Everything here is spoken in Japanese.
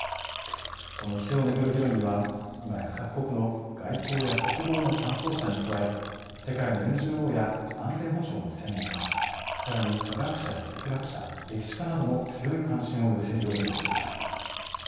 この規制をめぐる議論にはいまや各国の外交や国防の担当者に加え世界のＮＧＯや安全保障の専門家さらに科学者や哲学者歴史家なども強い関心を寄せるようになっています。